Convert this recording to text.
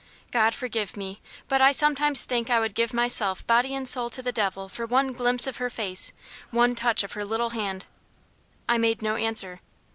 "God forgive me! but I sometimes think I would give myself body and soul to the devil for one glimpse of her face, one touch of her little hand." I made no answer.